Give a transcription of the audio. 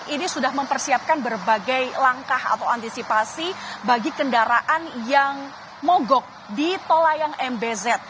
ini sudah mempersiapkan berbagai langkah atau antisipasi bagi kendaraan yang mogok di tol layang mbz